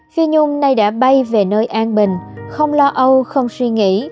phi nhung nay đã bay về nơi an bình không lo âu không suy nghĩ